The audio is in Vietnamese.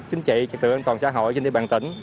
chính trị trật tự an toàn xã hội trên địa bàn tỉnh